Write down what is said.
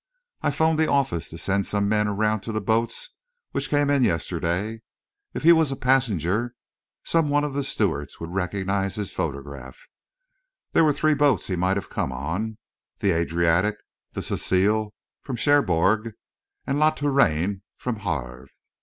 "I 'phoned the office to send some men around to the boats which came in yesterday. If he was a passenger, some one of the stewards will recognise his photograph. There were three boats he might have come on the Adriatic and Cecelie from Cherbourg, and La Touraine from Havre.